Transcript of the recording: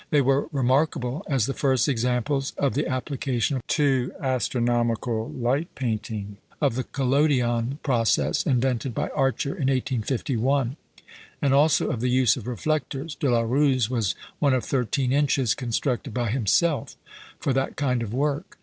They were remarkable as the first examples of the application to astronomical light painting of the collodion process, invented by Archer in 1851; and also of the use of reflectors (De la Rue's was one of thirteen inches, constructed by himself) for that kind of work.